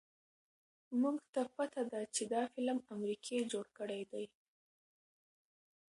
مونږ ته پته ده چې دا فلم امريکې جوړ کړے دے